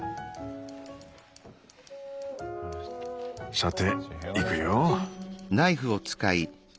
さていくよ。